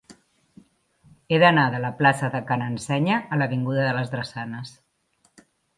He d'anar de la plaça de Ca n'Ensenya a l'avinguda de les Drassanes.